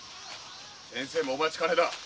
先生もお待ちかねだ。